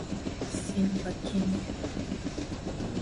Silvaa King